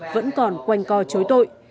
vẫn còn quanh co chối tội